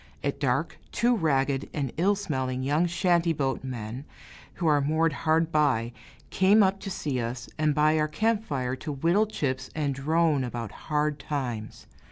At dark, two ragged and ill smelling young shanty boat men, who are moored hard by, came up to see us, and by our camp fire to whittle chips and drone about hard times.